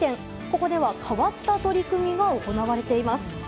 ここでは変わった取り組みが行われています。